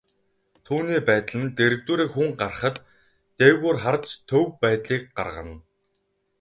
Түүний байдал нь дэргэдүүрээ хүн гарахад, дээгүүр харж төв байдлыг гаргана.